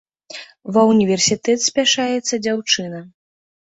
Ва ўніверсітэт спяшаецца дзяўчына.